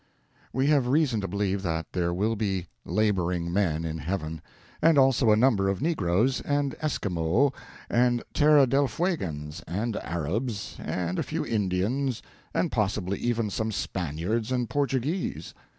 We have reason to believe that there will be labouring men in heaven; and also a number of negroes, and Esquimaux, and Terra del Fuegans, and Arabs, and a few Indians, and possibly even some Spaniards and Portuguese.